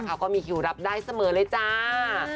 เขาก็มีคิวรับได้เสมอเลยจ้า